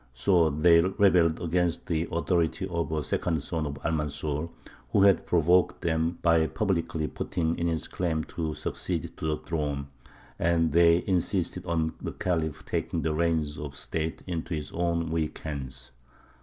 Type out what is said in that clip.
So they rebelled against the authority of a second son of Almanzor, who had provoked them by publicly putting in his claim to succeed to the throne, and they insisted on the Khalif taking the reins of State into his own weak hands.